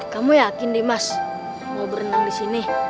kamu yakin dimas mau berenang di sini